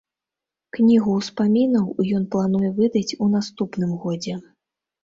Кнігу ўспамінаў ён плануе выдаць у наступным годзе.